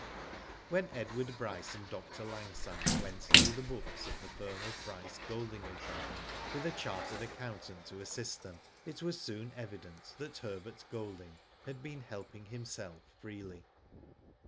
When Edward Bryce and Dr. Langside went through the books of the firm of Bryce, Golding, and Co., with a chartered accountant to assist them, it was soon evident that Herbert Golding had been helping himself freely.